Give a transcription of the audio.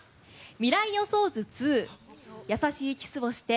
「未来予想図２」「やさしいキスをして」